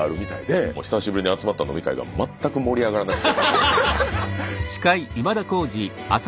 久しぶりに集まった飲み会が全く盛り上がらなくて。